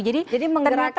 jadi menggerakkan apa